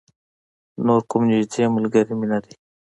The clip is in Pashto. نور کوم نږدې ملگری مې نه دی.